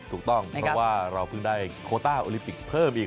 ถูกต้องเพราะว่าเราเพิ่งได้โคต้าโอลิปิกเพิ่มอีก